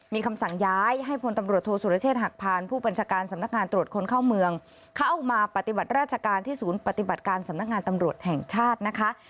มีคำสั่งย้ายให้พลตำรวจโทษสุรเชษฐหักพานผู้บัญชาการสำนักงานตรวจคนเข้าเมืองเข้ามาปฏิบัติราชการที่ศูนย์ปฏิบัติการสำนักงานตำรวจแห่งชาตินะคะ